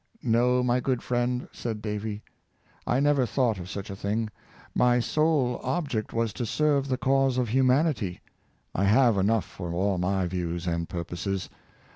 " No, my good friend," said Davy, " I never thought of such a thing; my sole object was to serve the cause of humanity. I have enough for all my views and purposes.